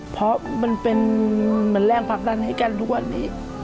เพราะมันเป็นแรงผลักดันให้กันทุกวันนี้